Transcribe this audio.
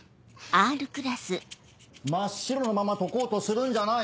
真っ白のまま解こうとするんじゃない。